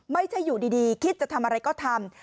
ไม่ใช่อยู่ดีคิดจะทำอะไรก็ทำ